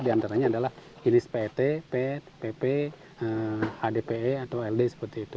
kinesis pet pet pp hdpe atau ld seperti itu